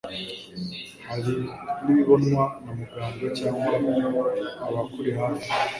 Hari n'ibibonwa na muganga cyangwa abakuri hafi